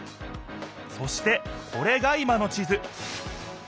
そしてこれが今の地図。